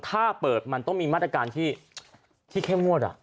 ถ้าเปิดมันต้องมีมาตรการที่เข้มงวด